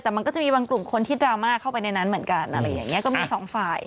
แต่มันก็จะมีบางกลุ่มคนที่ดราม่าเข้าไปในนั้นเหมือนกันอะไรอย่างนี้ก็มีสองฝ่าย